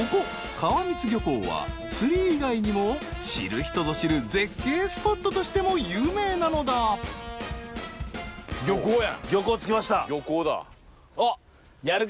川満漁港は釣り以外にも知る人ぞ知る絶景スポットとしても有名なのだあっやるか？